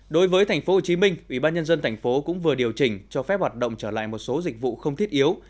đối với tp hcm ubnd tp cũng vừa điều chỉnh cho phép hoạt động trở lại một số dịch vụ không thiết yếu